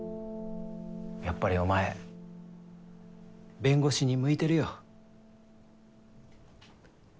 やっぱりお前弁護士に向いてるよ。